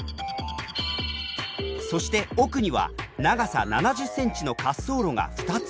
そして奥には長さ７０ｃｍの滑走路が２つ。